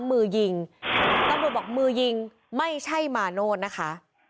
มือยิงตำรวจบอกมือยิงไม่ใช่มาโนธนะคะ